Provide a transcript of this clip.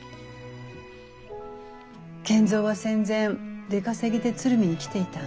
賢三は戦前出稼ぎで鶴見に来ていた。